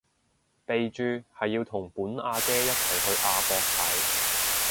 備註係要同本阿姐一齊去亞博睇